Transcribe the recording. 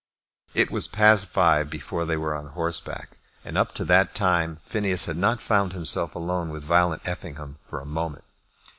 It was past five before they were on horseback, and up to that time Phineas had not found himself alone with Violet Effingham for a moment.